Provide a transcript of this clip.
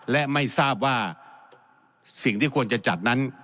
และไม่ทราบว่าสิ่งที่ควรจะจัดนั้น